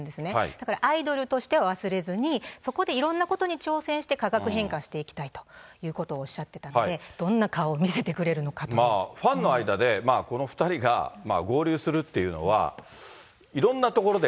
だからアイドルとして忘れずに、そこでいろんなことに挑戦して、化学変化していきたいということをおっしゃっていたので、どんなファンの間で、この２人が合流するっていうのは、いろんなところで。